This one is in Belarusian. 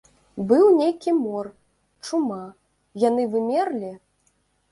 Быў нейкі мор, чума, яны вымерлі?